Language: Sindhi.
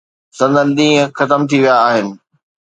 سندن ڏينهن ختم ٿي ويا آهن.